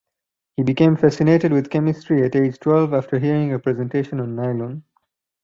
He became fascinated with chemistry at age twelve, after hearing a presentation on nylon.